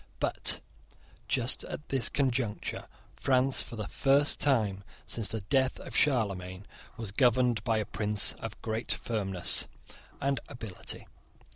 But, just at this conjuncture, France, for the first time since the death of Charlemagne, was governed by a prince of great firmness and ability.